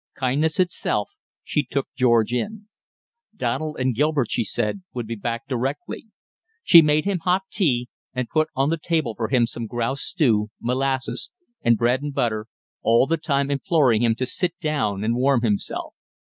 Kindness itself, she took George in. Donald and Gilbert, she said, would be back directly. She made him hot tea, and put on the table for him some grouse stew, molasses, and bread and butter, all the time imploring him to sit down and warm himself.